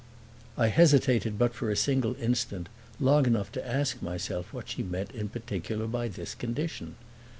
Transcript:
I hesitated but for a single instant, long enough to ask myself what she meant in particular by this condition.